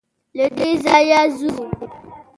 له دې ځايه ځو.